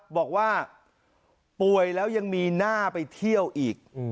บอกว่าป่วยแล้วยังมีหน้าไปเที่ยวอีก